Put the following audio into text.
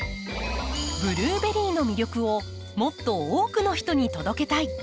ブルーベリーの魅力をもっと多くの人に届けたい。